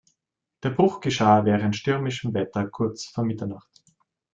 Der Bruch geschah während stürmischem Wetter kurz vor Mitternacht.